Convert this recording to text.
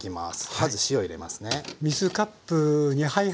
まず塩入れますね。